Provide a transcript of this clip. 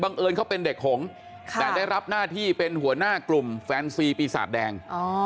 เอิญเขาเป็นเด็กหงแต่ได้รับหน้าที่เป็นหัวหน้ากลุ่มแฟนซีปีศาจแดง